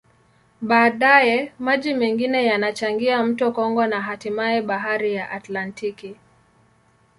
Baadaye, maji mengine yanachangia mto Kongo na hatimaye Bahari ya Atlantiki.